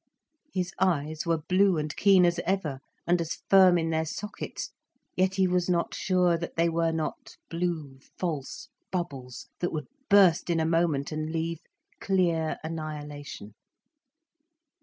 His eyes were blue and keen as ever, and as firm in their sockets. Yet he was not sure that they were not blue false bubbles that would burst in a moment and leave clear annihilation.